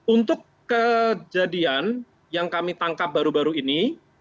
untuk kejadian yang kami tangkap baru baru ini